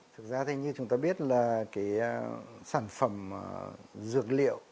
thực ra thì như chúng ta biết là cái sản phẩm dược liệu